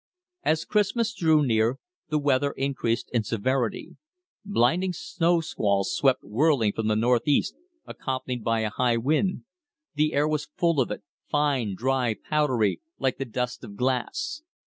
As Christmas drew near, the weather increased in severity. Blinding snow squalls swept whirling from the northeast, accompanied by a high wind. The air was full of it, fine, dry, powdery, like the dust of glass.